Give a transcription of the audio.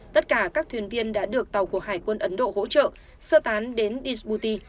tất cả các thuyền viên đã được tàu của hải quân ấn độ hỗ trợ sơ tán đến dsbuti